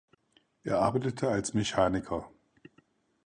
Er arbeitete als Mechaniker.